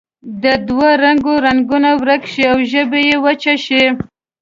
د دوه رنګو رنګونه ورک شي او ژبې یې وچې شي.